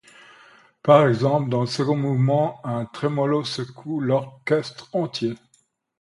Par exemple, dans le second mouvement, un trémolo secoue l'orchestre entier.